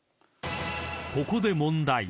［ここで問題］